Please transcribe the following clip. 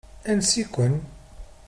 Ansi-ken?